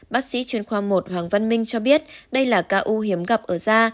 bác sĩ chuyên khoa một hoàng văn minh cho biết đây là ca ô hiếm gặp ở da